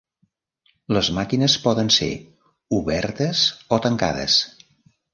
Les màquines poden ser obertes o tancades.